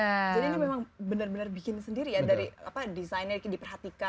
jadi ini memang benar benar bikin sendiri ya dari apa desainnya diperhatikan